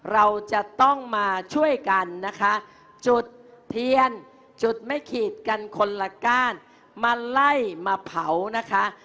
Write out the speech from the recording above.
เราจะต้องมาช่วยกันนะคะจุดเทียนจุดไม่ขีดกันคนละก้านมาไล่มาเผานะคะ